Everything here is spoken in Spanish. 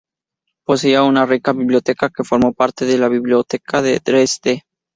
Poseía una rica biblioteca, que formó parte de la Biblioteca de Dresde.